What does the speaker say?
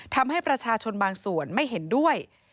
ทำให้ประชาชนบางส่วนไม่เห็นด้วย